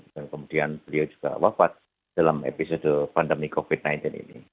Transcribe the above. kemudian beliau juga wafat dalam episode pandemi covid sembilan belas ini